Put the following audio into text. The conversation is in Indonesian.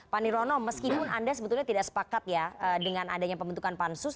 pak nirwono meskipun anda sebetulnya tidak sepakat ya dengan adanya pembentukan pansus